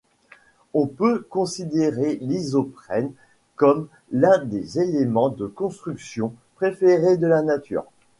On peut considérer l'isoprène comme l'un des éléments de construction préférés de la Nature.